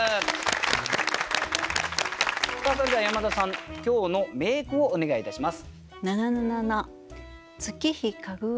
それでは山田さん今日の名句をお願いいたします。